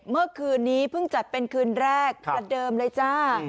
เมื่อคืนนี้เพิ่งจัดเป็นคืนแรกประเดิมเลยจ้า